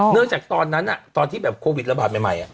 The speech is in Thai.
เนื่องจากตอนนั้นอ่ะตอนที่แบบโควิดระบาดใหม่อ่ะ